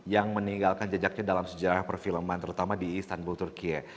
yang meninggalkan jejaknya dalam sejarah perfilman terutama di istanbul turkiye